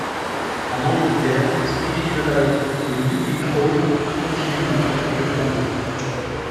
En Angleterre, Spiritualized et Lupine Howl continuent de porter le flambeau.